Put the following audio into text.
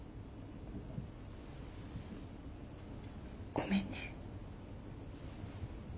ごめんね。